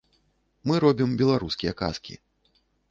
Мы робім беларускія казкі.